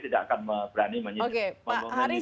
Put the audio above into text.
tidak akan berani menyimpulkan